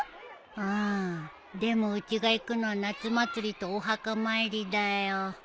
うんでもうちが行くのは夏祭りとお墓参りだよ。